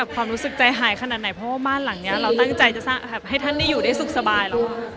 ความรู้สึกใจหายขนาดไหนเพราะว่าบ้านหลังนี้เราตั้งใจจะสร้างให้ท่านได้อยู่ได้สุขสบายแล้ว